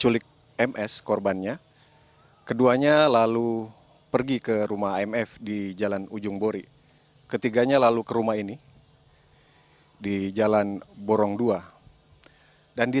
pembunuhan korban ms terjadi